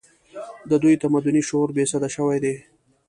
د دوی تمدني شعور بې سده شوی دی